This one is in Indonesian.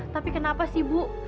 tapi kenapa sih ibu